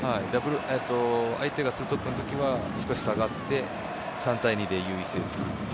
相手が２トップのときは少し下がって３対２で優位性を作って。